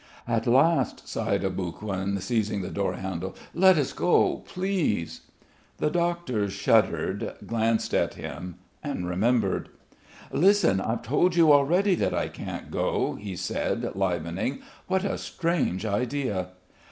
"At last," sighed Aboguin, seizing the doorhandle. "Let us go, please." The doctor shuddered, glanced at him and remembered. "Listen. I've told you already that I can't go," he said, livening. "What a strange idea!"